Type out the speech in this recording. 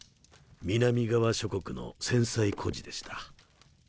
南側諸国の戦災孤児でした。